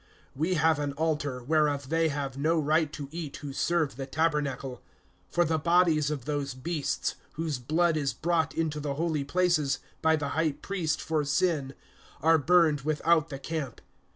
(10)We have an altar, whereof they have no right to eat who serve the tabernacle. (11)For the bodies of those beasts, whose blood is brought into the holy places by the high priest for sin, are burned without the camp.